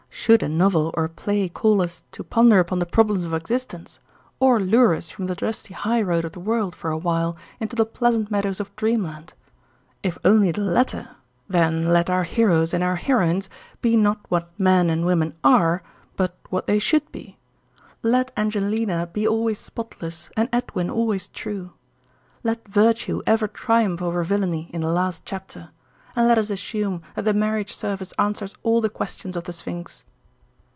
Should a novel or play call us to ponder upon the problems of existence, or lure us from the dusty high road of the world, for a while, into the pleasant meadows of dreamland? If only the latter, then let our heroes and our heroines be not what men and women are, but what they should be. Let Angelina be always spotless and Edwin always true. Let virtue ever triumph over villainy in the last chapter; and let us assume that the marriage service answers all the questions of the Sphinx.